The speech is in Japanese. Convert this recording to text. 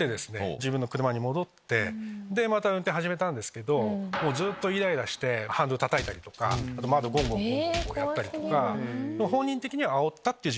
自分の車に戻ってまた運転始めたんですけどずっとイライラしてハンドルたたいたりとか窓ゴンゴンやったりとか。